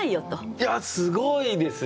いやすごいですね！